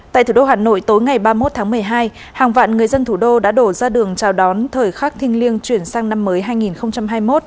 tại thủ đô hà nội tối ngày ba mươi một tháng một mươi hai hàng vạn người dân thủ đô đã đổ ra đường chào đón thời khắc thiêng liêng chuyển sang năm mới hai nghìn hai mươi một